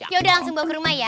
yaudah langsung bawa ke rumah ya